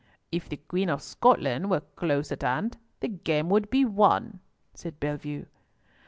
"If the Queen of Scotland were close at hand, the game would be won," said Bellievre.